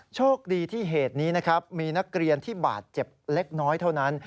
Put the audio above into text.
โชคดีที่เหตุนี้นะครับมีนักเรียนที่บาดเจ็บเล็กน้อยเท่านั้น